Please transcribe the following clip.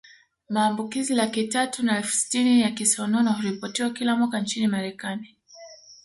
Maambukizi laki tatu na elfu sitini ya kisonono huripotiwa kila mwaka nchini Marekani